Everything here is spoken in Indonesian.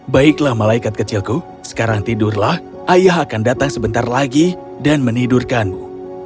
baiklah malaikat kecilku sekarang tidurlah ayah akan datang sebentar lagi dan menidurkanmu